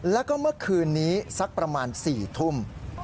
แล้วก็เมื่อคืนนี้สักประมาณ๔ทุ่ม